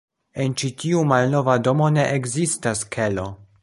En ĉi tiu malnova domo, ne ekzistas kelo.